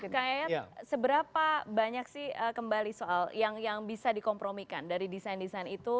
kak yayat seberapa banyak sih kembali soal yang bisa dikompromikan dari desain desain itu